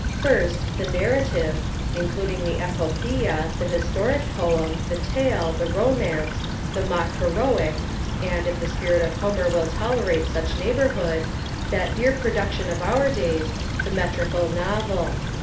1st, The Narrative, including the Epopoeia, the Historic Poem, the Tale, the Romance, the Mock heroic, and, if the spirit of Homer will tolerate such neighbourhood, that dear production of our days, the metrical Novel.